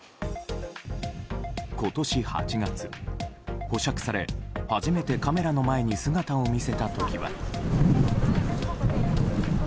今年８月、保釈され初めてカメラの前に姿を見せた時は。